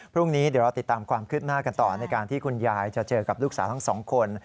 พรุ่งนี้เดี๋ยวเราติดตามความคืบหน้ากันต่อในการที่คุณยายจะเจอกับลูกสาวทั้งสองคน